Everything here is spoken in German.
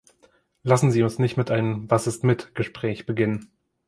Lassen Sie uns nicht mit einem „Was ist mit“-Gespräch beginnen.